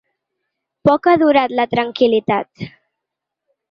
Poc ha durat la tranquil·litat.